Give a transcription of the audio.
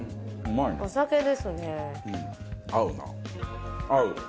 お酒ですね。